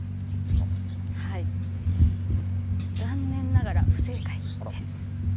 残念ながら不正解です。